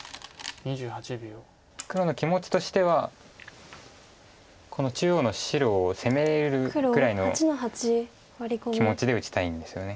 黒の気持ちとしてはこの中央の白を攻めるぐらいの気持ちで打ちたいんですよね。